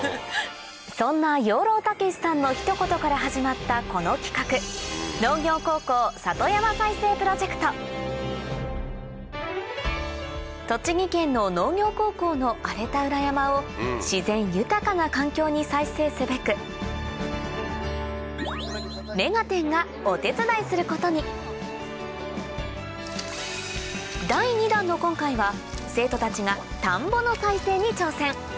そんな養老孟司さんのひと言から始まったこの企画栃木県の農業高校の荒れた裏山を自然豊かな環境に再生すべく第２弾の今回は生徒たちが田んぼの再生に挑戦